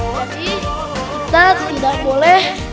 jadi kita tidak boleh